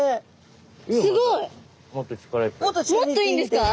もっといいんですか？